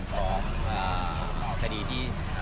ไม่ใช่นี่คือบ้านของคนที่เคยดื่มอยู่หรือเปล่า